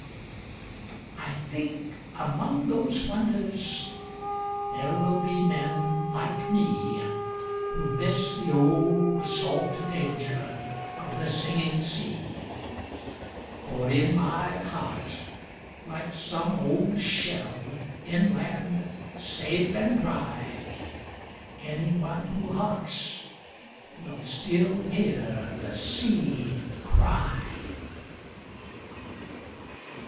"I think among those wonders there will be men like me, Who miss the old salt danger of the singing sea."For in my heart, like some old shell, inland, safe and dry, Any one who harks will still hear the sea cry."